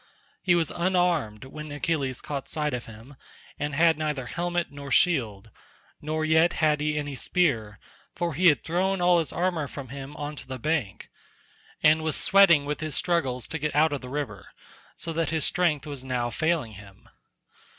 He was unarmed when Achilles caught sight of him, and had neither helmet nor shield; nor yet had he any spear, for he had thrown all his armour from him on to the bank, and was sweating with his struggles to get out of the river, so that his strength was now failing him.